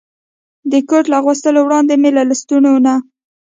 د کوټ له اغوستو وړاندې مې له لستوڼو نه.